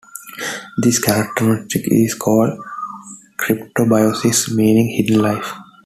This characteristic is called cryptobiosis, meaning "hidden life".